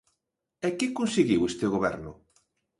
¿E que conseguiu este goberno?